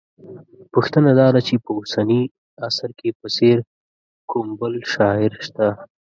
پوښتنه دا ده چې په اوسني عصر کې په څېر کوم بل شاعر شته